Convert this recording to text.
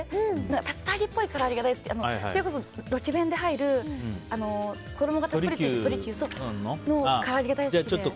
竜田揚げっぽいから揚げが大好きでそれこそ、ロケ弁で入る衣がたっぷりついたから揚げが大好きで。